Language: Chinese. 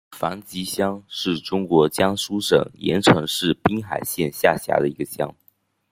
樊集乡是中国江苏省盐城市滨海县下辖的一个乡。